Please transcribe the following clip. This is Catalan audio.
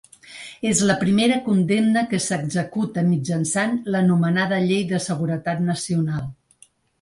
És la primera condemna que s’executa mitjançant l’anomenada llei de seguretat nacional.